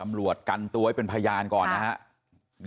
อำรวจกันตัวให้เป็นพยานก่อนนะฮะ